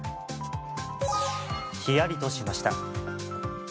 ひやりとしました。